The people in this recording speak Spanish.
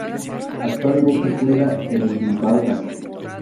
Actualmente juega en el Bilbao Basket.